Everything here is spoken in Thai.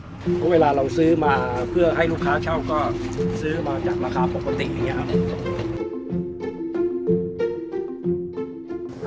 เพราะเวลาเราซื้อมาเพื่อให้ลูกค้าเช่าก็ซื้อมาจากราคาปกติอย่างนี้ครับ